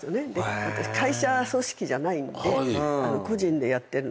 私会社組織じゃないんで個人でやってるので。